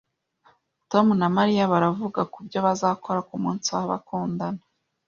Tom na Mariya baravuga kubyo bazakora kumunsi w'abakundana